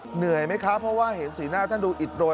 เหนื่อยไหมครับเพราะว่าเห็นสีหน้าท่านดูอิดโรย